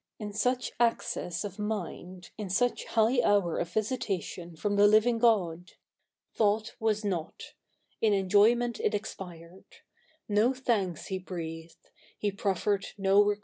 In such access of mind, in such high hour Of visitation from the living God, Thought was not ; in enjoyment it expired ; No thanks he breathed, he proffered no request.